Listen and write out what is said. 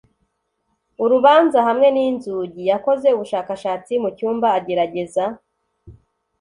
urubanza hamwe n'inzugi. yakoze ubushakashatsi mu cyumba, agerageza